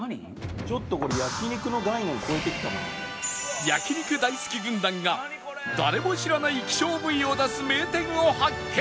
焼肉大好き軍団が誰も知らない希少部位を出す名店を発見！